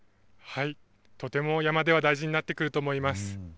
とても山では大事になってくると思います。